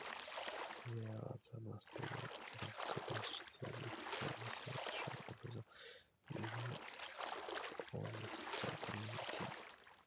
There was a massive backlash to this from sections of the Unionist community.